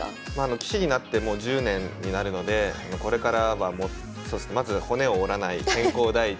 棋士になってもう１０年になるのでこれからはまず骨を折らない健康第一。